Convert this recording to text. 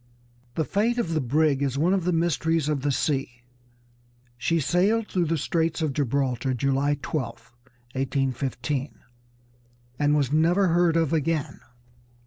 The fate of the brig is one of the mysteries of the sea. She sailed through the Straits of Gibraltar July 12, 1815, and was never heard of again.